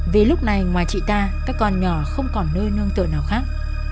vì lúc này ngoài chị ta các con nhỏ không còn nơi nương tựa nào khác